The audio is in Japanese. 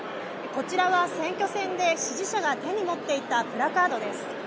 こちらは選挙戦で支持者が手に持っていたプラカードです。